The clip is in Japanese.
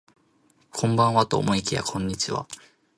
こんばんはと思いきやこんにちは